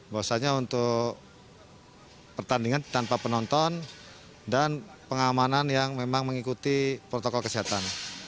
bahwasanya untuk pertandingan tanpa penonton dan pengamanan yang memang mengikuti protokol kesehatan